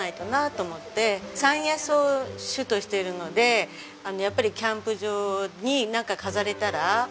山野草を主としているのでやっぱりキャンプ場になんか飾れたら。